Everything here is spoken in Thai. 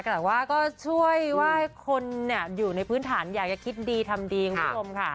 แต่ว่าก็ช่วยว่าคนเนี่ยอยู่ในพื้นฐานอยากจะคิดดีทำดีของคุณบ่งค่ะ